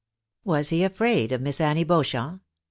Was he afraid of Miss Annie Beauchamp